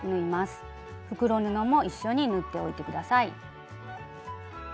袋布も一緒に縫っておいて下さい。